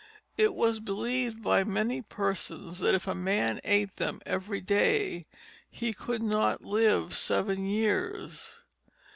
It was believed by many persons that if a man ate them every day, he could not live seven years.